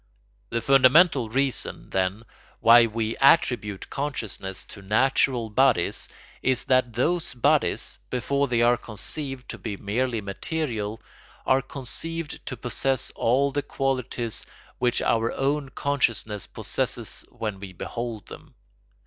The fundamental reason, then, why we attribute consciousness to natural bodies is that those bodies, before they are conceived to be merely material, are conceived to possess all the qualities which our own consciousness possesses when we behold them.